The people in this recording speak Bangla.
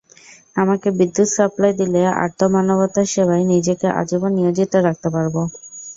আমাকে বিদ্যুৎ সাপ্লাই দিলে আর্তমানবতার সেবায় নিজেকে আজীবন নিয়োজিত রাখতে পারব।